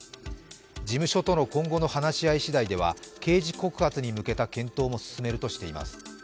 事務所との今後の話し合いしだいでは刑事告発に向けた検討も進めるとしています。